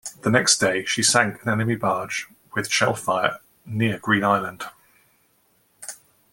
The next day, she sank an enemy barge with shellfire near Green Island.